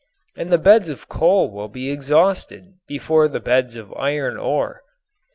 And the beds of coal will be exhausted before the beds of iron ore.